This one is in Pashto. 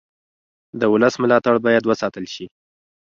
د ولس ملاتړ باید وساتل شي